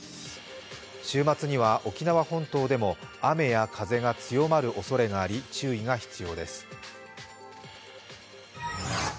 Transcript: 週末には沖縄本島でも雨や風が強まるおそれがあり注意が必要です。